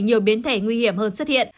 nhiều biến thể nguy hiểm hơn xuất hiện